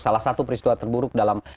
salah satu peristiwa terburuk dalam